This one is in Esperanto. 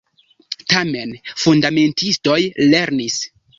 Tamen fundamentistoj lernis.